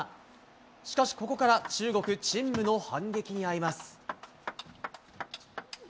しかし、ここから中国チン・ムの反撃にあいます。